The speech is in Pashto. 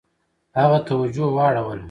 هغه توجه واړوله.